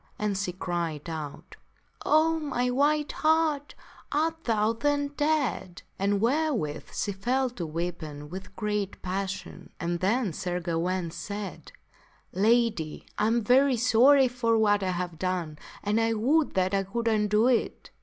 And she cried out, " Oh, my white hart, art thou then dead ?" And therewith she fell to weeping with great passion. Then Sir Gawaine said, " Lady, I am very sorry for what I have done, and I would that I could undo it."